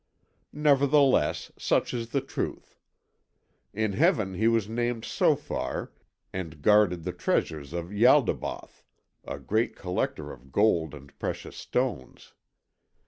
Nevertheless, such is the truth. In Heaven he was named Sophar, and guarded the treasures of Ialdabaoth, a great collector of gold and precious stones.